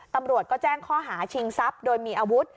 ตำรวจก็แจ้งข้อหาชิงทรัพย์โดยมีอาวุธ